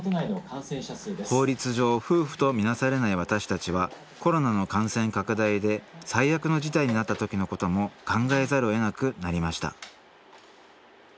法律上夫婦とみなされない私たちはコロナの感染拡大で最悪の事態になった時のことも考えざるをえなくなりました